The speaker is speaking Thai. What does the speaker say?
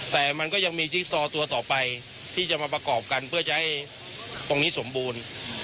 แต่มันก็ยังมีจิ๊กซอตัวต่อไปที่จะมาประกอบกันเพื่อจะให้ตรงนี้สมบูรณ์